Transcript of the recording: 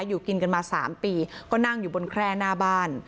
อยู่กินกันมา๓ปีก็นั่งอยู่บนแคร่หน้าบ้าน